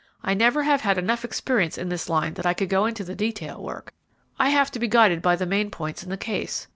I never have had enough experience in this line that I could go into the detail work. I have to be guided by the main points in the case.